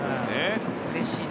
うれしいね。